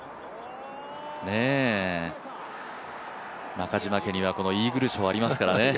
中嶋家には、このイーグル賞ありますからね。